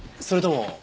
それとも。